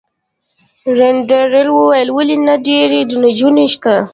رینالډي وویل: ولي نه، ډیرې نجونې شته.